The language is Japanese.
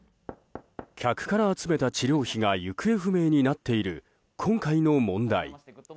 客から集めた治療費が行方不明になっている今回の問題。